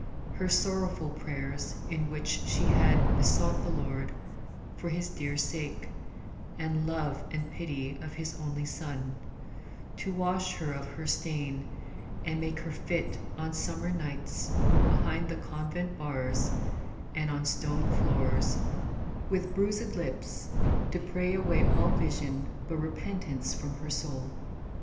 her sorrowful prayers, in which She had besought the Lord, for His dear sake, And love and pity of His Only Son, To wash her of her stain, and make her fit On summer nights, behind the convent bars And on stone floors, with bruisèd lips, to pray Away all vision but repentance from her soul.